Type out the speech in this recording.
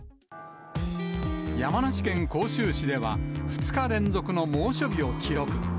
山梨県甲州市では、２日連続の猛暑日を記録。